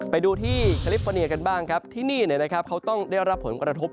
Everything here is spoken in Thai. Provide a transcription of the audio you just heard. ไปดูที่แคลิฟฟอร์เนียกันบ้างครับที่นี่เขาต้องได้รับผลกระทบ